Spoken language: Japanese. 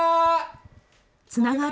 つながる！